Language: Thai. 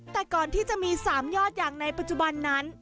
แต่ก่อนที่จะมี๓ยอดอย่างในปัจจุบันนั้น